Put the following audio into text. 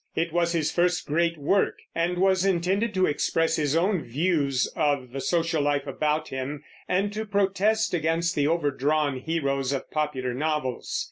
It was his first great work, and was intended to express his own views of the social life about him, and to protest against the overdrawn heroes of popular novels.